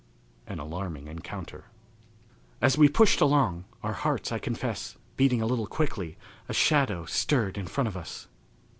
An Alarming Encounter. As we pushed along, our hearts, I confess, beating a little quickly, a shadow stirred in front of us.